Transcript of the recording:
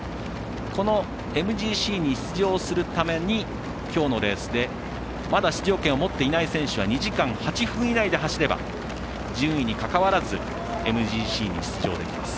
このＭＧＣに出場するために今日のレースでまだ出場権を持っていない選手は２時間８分以内で走れば順位にかかわらずＭＧＣに出場できます。